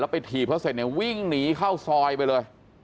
ไปถีบเขาเสร็จเนี่ยวิ่งหนีเข้าซอยไปเลย